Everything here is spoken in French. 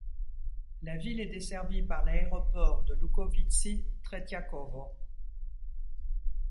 La ville est desservie par l'aéroport de Loukhovitsy Tretiakovo.